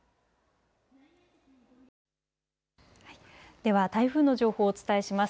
では、台風の情報をお伝えします。